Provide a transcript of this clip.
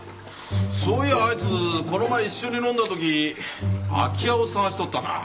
そういやぁあいつこの前一緒に飲んだとき空き家を探しとったなぁ。